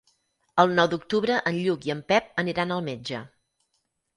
El nou d'octubre en Lluc i en Pep aniran al metge.